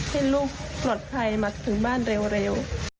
ให้ลูกปลอดภัยมาถึงบ้านเร็ว